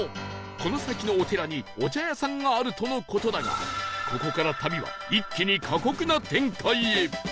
この先のお寺にお茶屋さんがあるとの事だがここから旅は一気に過酷な展開へ！